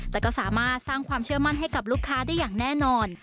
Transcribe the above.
แต่ก็สามารถสร้างความเชื่อมั่นให้กับลูกค้าได้อย่างแน่นอน